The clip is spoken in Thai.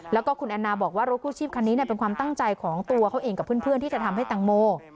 แล้วก็คุณแอนนาบอกว่ารถกู้ชีพคันนี้เป็นความตั้งใจของตัวเขาเองกับเพื่อนที่จะทำให้ตังโม